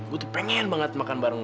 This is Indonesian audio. gue tuh pengen banget makan bareng